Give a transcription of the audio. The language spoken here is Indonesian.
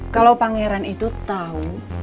kalo pangeran itu tau